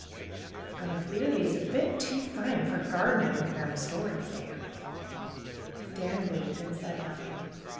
^^I'm afeared he's a bit too fine for gardening, with 'em stories, Dan." Dan winked and said nothing.